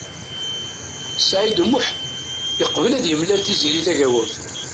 Saɛid U Muḥ yeqbel ad yemlal Tiziri Tagawawt.